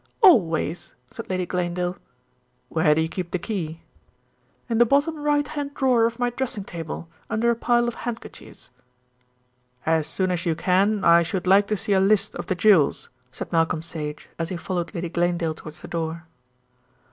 "Always," said Lady Glanedale. "Where do you keep the key?" "In the bottom right hand drawer of my dressing table, under a pile of handkerchiefs." "As soon as you can I should like to see a list of the jewels," said Malcolm Sage, as he followed Lady Glanedale towards the door.